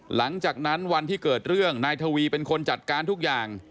หลังจากนั้นวันที่เกิดเรื่องนายทวีเป็นคนจัดการทุกอย่าง